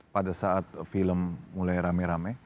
pada saat film mulai rame rame